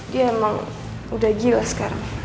dia emang udah jiwa sekarang